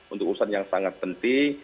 untuk urusan yang sangat penting